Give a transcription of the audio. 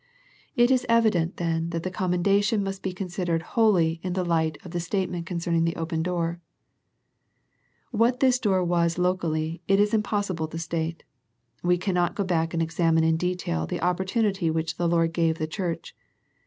It is evident then that the commendation must be considered wholly in the light of the state ment concerning the open door. What this open door was locally, it is impos sible to state. We cannot go back and examine in detail the opportunity which the Lord gave the church.